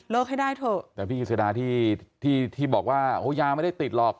ให้ได้เถอะแต่พี่กิจสดาที่ที่บอกว่ายาไม่ได้ติดหรอก